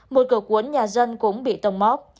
một cửa cuốn nhà dân cũng bị tông móc